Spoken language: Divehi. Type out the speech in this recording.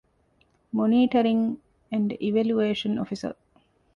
މޮނީޓަރިންގ އެންޑް އިވެލުއޭޝަން އޮފިސަރ